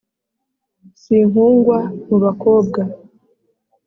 si nkungwa mu bakobwa